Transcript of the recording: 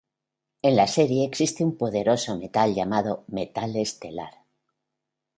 En la serie existe un poderoso metal llamado Metal Estelar.